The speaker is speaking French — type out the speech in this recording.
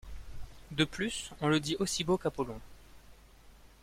De plus, on le dit aussi beau qu'Apollon.